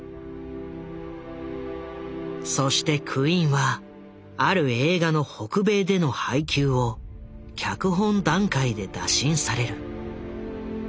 そしてクインはある映画の北米での配給を脚本段階で打診される。